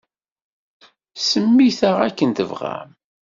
Semmit-aɣ akken tebɣam.